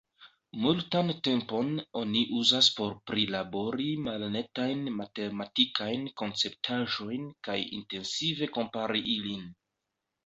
Multan tempon oni uzas por prilabori malnetajn matematikajn konceptaĵojn kaj intensive kompari ilin.